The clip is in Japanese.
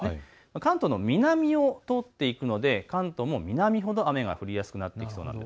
関東の南を通っていくので関東も南ほど雨が降りやすくなりそう。